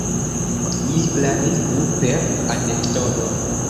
Mi klarigu per anekdoto.